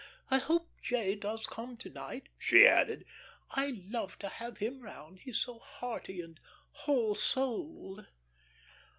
"I hope J. does come to night," she added. "I love to have him 'round. He's so hearty and whole souled."